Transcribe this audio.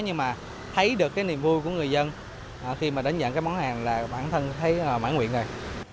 nhưng mà thấy được cái niềm vui của người dân khi mà đánh giận cái món hàng là bản thân thấy mãi nguyện rồi